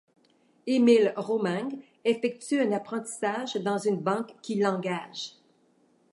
Émile Romang effectue un apprentissage dans une banque qui l'engage.